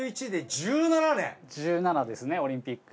１７ですねオリンピック。